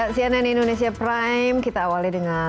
sianen indonesia prime